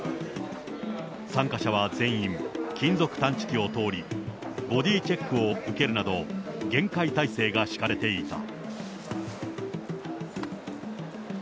参加者は全員、金属探知機を通り、ボディーチェックを受けるなど厳戒態勢が敷かれていた。